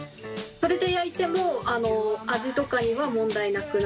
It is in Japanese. それで焼いても味とかには問題なくなる？